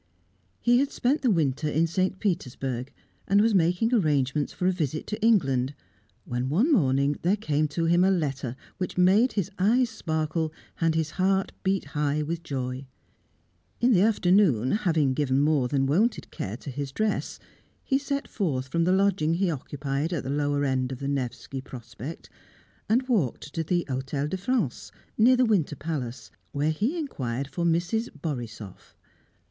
He had spent the winter in St. Petersburg, and was making arrangements for a visit to England, when one morning there came to him a letter which made his eyes sparkle and his heart beat high with joy. In the afternoon, having given more than wonted care to his dress, he set forth from the lodging he occupied at the lower end of the Nevski Prospect, and walked to the Hotel de France, near the Winter Palace, where he inquired for Mrs. Borisoff.